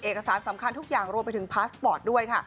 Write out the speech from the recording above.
เอกสารสำคัญทุกอย่างรวมไปถึงพาสปอร์ตด้วยค่ะ